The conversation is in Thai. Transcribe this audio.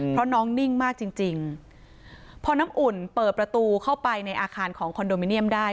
เพราะน้องนิ่งมากจริงจริงพอน้ำอุ่นเปิดประตูเข้าไปในอาคารของคอนโดมิเนียมได้